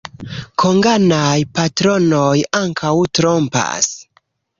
Konganaj patronoj ankaŭ trompas.